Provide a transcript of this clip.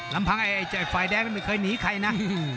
ลำพังไฟล์แรกไม่เคยหนีใครนะ